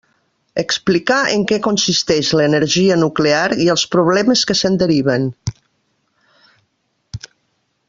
Explicar en què consisteix l'energia nuclear i els problemes que se'n deriven.